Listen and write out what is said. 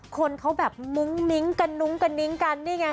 คนเขาแบบมุ้งมิ้งกระนุ้งกระนิ้งกันนี่ไง